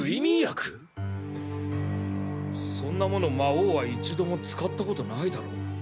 そんなもの魔王は一度も使ったことないだろっ。